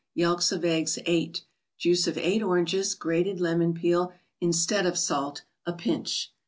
Yelks of Eggs, 8 ; Juice of 8 Oranges; Grated Lemon peel, instead of salt, a pinch.